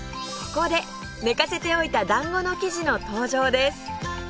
ここで寝かせておいた団子の生地の登場です